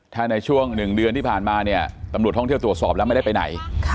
ถ้าในช่วง๑เดือนที่ผ่านมาเนี่ยตำรวจท่องเที่ยวตรวจสอบแล้วไม่ได้ไปไหน